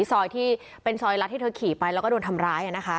ซอยที่เป็นซอยรัฐที่เธอขี่ไปแล้วก็โดนทำร้าย